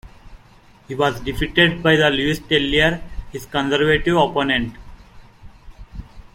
He was defeated by the Louis Tellier, his Conservative opponent.